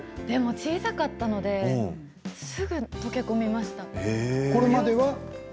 小さかったのですぐ溶け込めました。